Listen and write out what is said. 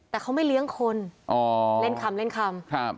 แต่เขาไม่เลี้ยงคนเล่นคำ